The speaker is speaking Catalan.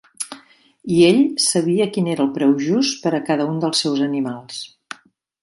I ell sabia quin era el preu just per a cada un dels seus animals.